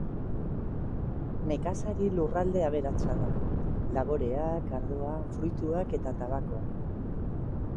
Nekazari lurralde aberatsa da: laboreak, ardoa, fruituak eta tabakoa.